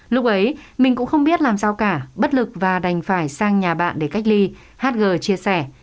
lúc ấy mình cũng không biết làm sao cả bất lực và đành phải sang nhà bạn để cách ly hátg chia sẻ